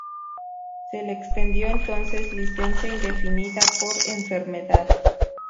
Se le extendió entonces licencia indefinida por enfermedad.